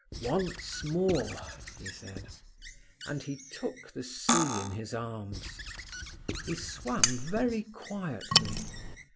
"Once more," he said, and he took the sea in his arms. He swam very quietly.